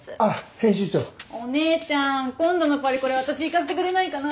編集長お姉ちゃん今度のパリコレ私行かせてくれないかな？